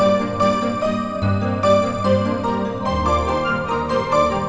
assalamualaikum wr wb